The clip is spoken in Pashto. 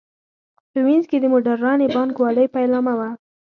په وینز کې د موډرنې بانک والۍ پیلامه وه.